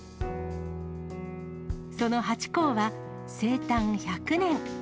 そのハチ公は、生誕１００年。